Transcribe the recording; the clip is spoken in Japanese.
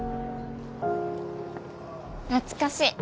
懐かしい。